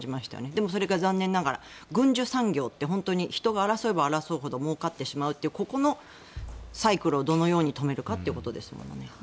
でも、それが残念ながら軍需産業って本当に人が争えば争うほどもうかってしまうというサイクルをどのように止めるかですよね。